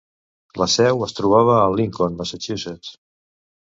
La seu es trobava a Lincoln, Massachusetts.